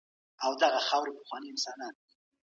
هيوادونه او اروپايي هيوادونه، په ځانګړي ډول